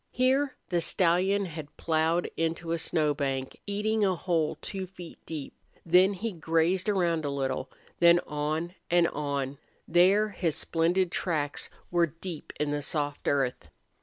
Here the stallion had plowed into a snow bank, eating a hole two feet deep; then he had grazed around a little; then on and on; there his splendid tracks were deep in the soft earth.